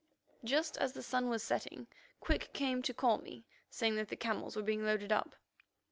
Just as the sun was setting, Quick came to call me, saying that the camels were being loaded up.